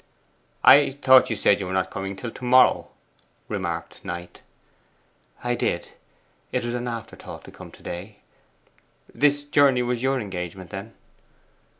'I thought you said you were not coming till to morrow,' remarked Knight. 'I did. It was an afterthought to come to day. This journey was your engagement, then?